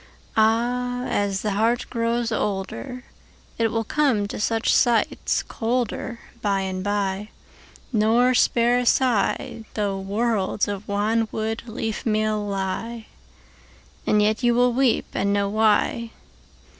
Áh! ás the heart grows olderIt will come to such sights colderBy and by, nor spare a sighThough worlds of wanwood leafmeal lie; And yet you wíll weep and know why.